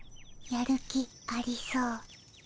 やる気ありそう。